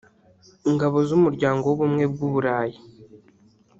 Ingabo z’Umuryango w’Ubumwe bw’u Burayi